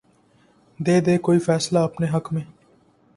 دے دے کوئی فیصلہ اپنے حق میں